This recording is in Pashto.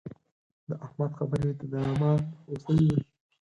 د احمد خبرې د دامان هوسۍ دي.